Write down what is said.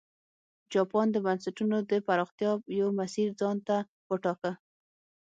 جاپان د بنسټونو د پراختیا یو مسیر ځان ته وټاکه.